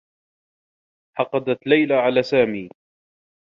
حقدت ليلى على سامي.